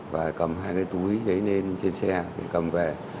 và cầm hai cái túi đấy lên trên xe cầm về